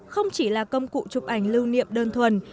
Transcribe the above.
không chỉ là công cụ chụp ảnh lưu niệm đơn thuần